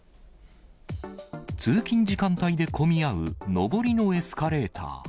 通勤時間帯で混み合う上りのエスカレーター。